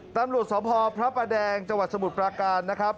ตำรวจสพพระประแดงจังหวัดสมุทรปราการนะครับ